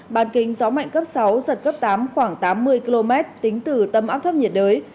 bàn kinh gió mạnh cấp sáu giật cấp tám khoảng tám mươi km tính từ tâm áp thấp nhiệt đới